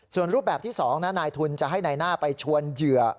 ส่วนรูปแบบที่๒นายทุนจะให้นายหน้าไปชวนเหยื่อ